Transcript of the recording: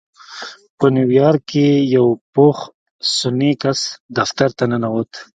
په نيويارک کې يو پوخ سنی کس دفتر ته ننوت.